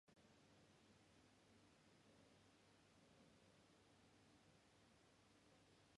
Thereafter, the Laurenburger family were titled the Counts of Nassau.